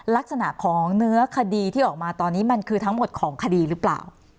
ลักษณะของเนื้อคดีที่ออกมาตอนนี้มันคือทั้งหมดของคดีหรือเปล่า